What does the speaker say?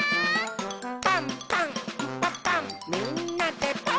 「パンパンんパパンみんなでパン！」